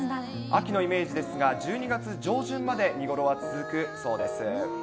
秋のイメージですが、１２月上旬まで見頃は続くそうです。